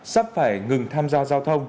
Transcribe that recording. sắp phải ngừng tham gia giao thông